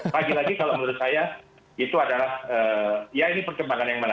lagi lagi kalau menurut saya itu adalah ya ini perkembangan yang mana